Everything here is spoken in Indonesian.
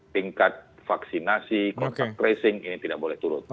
tingkat vaksinasi kontak tracing ini tidak boleh turun